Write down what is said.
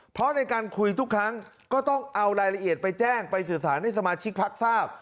เพราะในการคุยทุกครั้งก็ต้องเอารายละเอียดไปแจ้งไปสื่อสารให้สมาชิกพักทราบ